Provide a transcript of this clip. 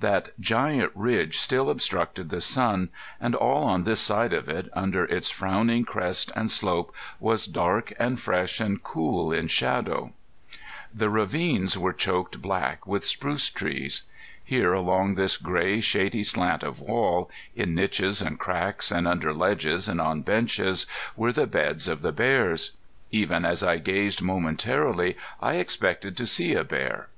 That giant ridge still obstructed the sun, and all on this side of it, under its frowning crest and slope was dark and fresh and cool in shadow. The ravines were choked black with spruce trees. Here along this gray shady slant of wall, in niches and cracks, and under ledges, and on benches, were the beds of the bears. Even as I gazed momentarily I expected to see a bear.